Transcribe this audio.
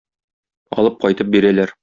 Алып кайтып бирәләр.